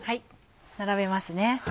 並べますね。